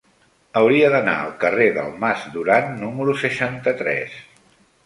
Hauria d'anar al carrer del Mas Duran número seixanta-tres.